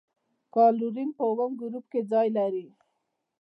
کلورین په اووم ګروپ کې ځای لري.